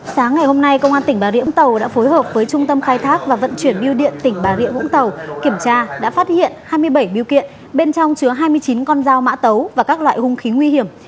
sáng ngày hôm nay công an tỉnh bà rịa vũng tàu đã phối hợp với trung tâm khai thác và vận chuyển biêu điện tỉnh bà rịa vũng tàu kiểm tra đã phát hiện hai mươi bảy biêu kiện bên trong chứa hai mươi chín con dao mã tấu và các loại hung khí nguy hiểm